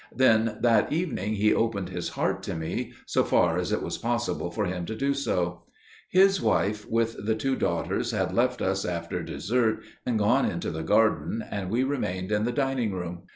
Then that evening he opened his heart to me, so far as it was possible for him to do so. "His wife, with the two daughters, had left us after dessert and gone into the garden, and we remained in the dining room.